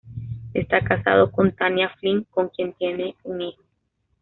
Está casado con Tanya Flynn con quien tiene un hijo.